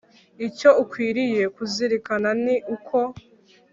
icyo ukwiriye kuzirikana ni uko